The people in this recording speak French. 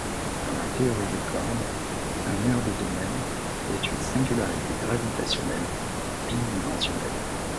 Dans la théorie des cordes, un mur de domaine est une singularité gravitationnelle bidimensionnelle.